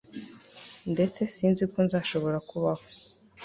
ndetse sinzi ko nzashobora kubaho